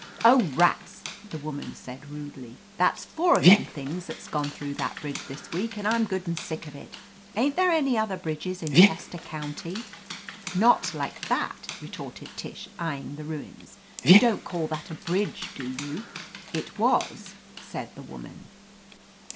"Oh, rats!" the woman said rudely. "That's four of them things that's gone through that bridge this week, and Fm good and sick of it. Ain't there any other bridges in Chester county ?" "Not like that," retorted Tish, eying^ the ruins. "You don't call that a bridge, do you?" "It was," said the woman.